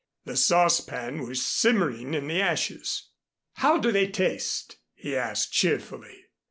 The saucepan was simmering in the ashes. "How do they taste?" he asked cheerfully.